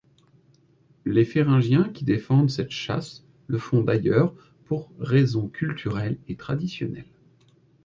Les Féringiens qui défendent cette chasse le font d'ailleurs pour raison culturelle et traditionnelle.